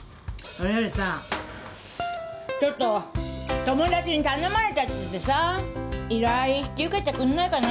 それよりさちょっと友達に頼まれちゃっててさ依頼引き受けてくんないかな？